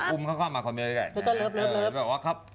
อุ้มเข้ามาคอมเมนต์เลย